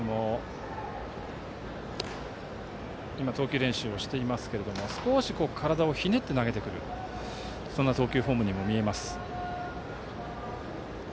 今投球練習をしていますが少し体をひねって投げてくる投球フォームにも見えます。